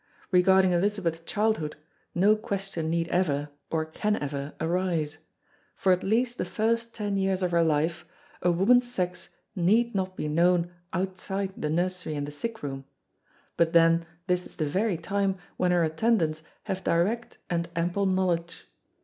Regarding Elizabeth's childhood no question need ever or can ever arise. For at least the first ten years of her life, a woman's sex need not be known outside the nursery and the sick room; but then this is the very time when her attendants have direct and ample knowledge.